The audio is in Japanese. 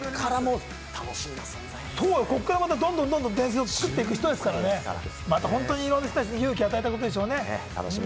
ここから、どんどんどんどん伝説を作っていく人ですからね、いろんな方たちに勇気を与えたことでしょうね。